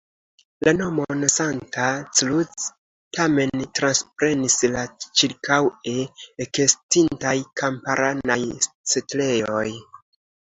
La nomon "Santa Cruz" tamen transprenis la ĉirkaŭe ekestintaj kamparanaj setlejoj.